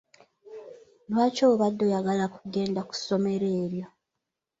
Lwaki obadde oyagala kugenda ku ssomero eryo?